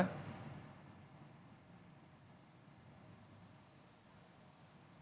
kesimpulannya apakah sudah ada